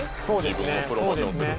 そうですね。